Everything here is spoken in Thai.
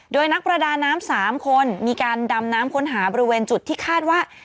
โดยนักประดาน้ำ๓คนมีการดำน้ำค้นหาบริเวณจุดที่คาดว่า